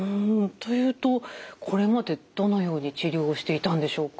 というとこれまでどのように治療をしていたんでしょうか？